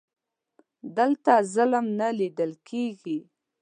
دلته ظلم نه لیده کیږي.